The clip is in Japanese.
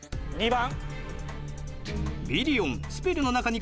２番。